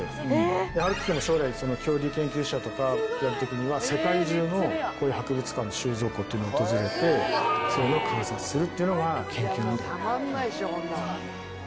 晴輝君も将来恐竜研究者とかやる時には世界中のこういう博物館の収蔵庫っていうのを訪れてそれを観察するっていうのが研究なんだよ。